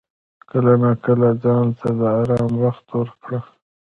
کله ناکله ځان ته د آرام وخت ورکړه.